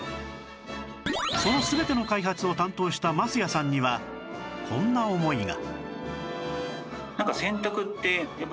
その全ての開発を担当した升谷さんにはこんな思いが